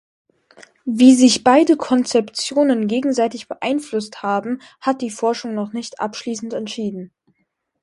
Wie sich beide Konzeptionen gegenseitig beeinflusst haben, hat die Forschung noch nicht abschließend entschieden.